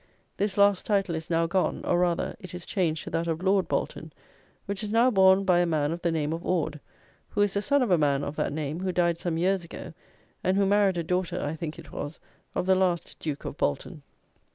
This last title is now gone; or, rather, it is changed to that of "Lord Bolton," which is now borne by a man of the name of Orde, who is the son of a man of that name, who died some years ago, and who married a daughter (I think it was) of the last "Duke of Bolton."